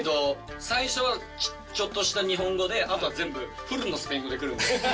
最初はちょっとした日本語で、あとは全部、フルのスペイン語で来るんです。